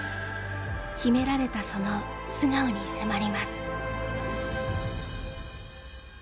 秘められたその素顔に迫ります